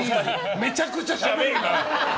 めちゃくちゃしゃべるな！